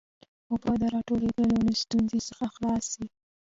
اوبو د راټولېدو له ستونزې څخه خلاص سي.